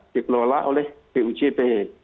dikelola oleh bujp